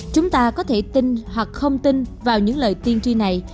chúng ta có thể tin hoặc không tin vào những lời tiên tri này